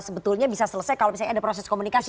sebetulnya bisa selesai kalau misalnya ada proses komunikasi